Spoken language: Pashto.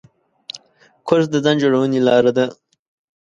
کورس د ځان جوړونې لاره ده.